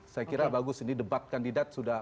saya kira bagus ini debat kandidat sudah